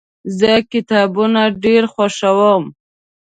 زه کتابونه ډیر خوښوم.